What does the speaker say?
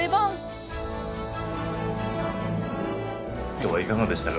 今日はいかがでしたか？